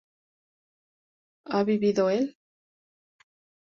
¿ha vivido él?